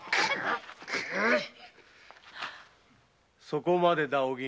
そこまでだお銀。